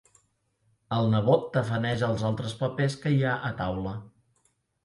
El nebot tafaneja els altres papers que hi ha a taula.